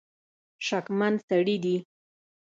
شکمن سړي دي.